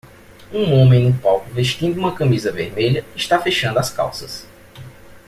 Um homem no palco vestindo uma camisa vermelha está fechando as calças.